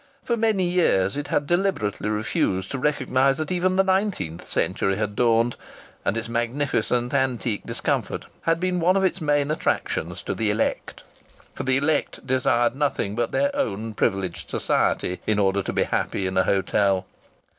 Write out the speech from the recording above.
For many years it had deliberately refused to recognize that even the nineteenth century had dawned, and its magnificent antique discomfort had been one of its main attractions to the elect. For the elect desired nothing but their own privileged society in order to be happy in a hotel.